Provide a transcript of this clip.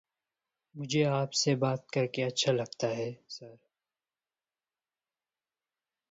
In contrast, there are some who require relatively high doses to experience noticeable effects.